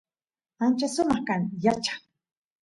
ancha sumaq kan yacha